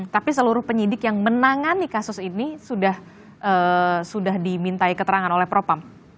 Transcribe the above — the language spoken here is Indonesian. tapi seluruh penyidik yang menangani kasus ini sudah dimintai keterangan oleh propam